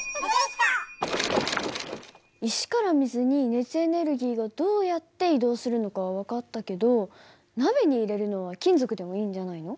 石から水に熱エネルギーがどうやって移動するのかは分かったけど鍋に入れるのは金属でもいいんじゃないの？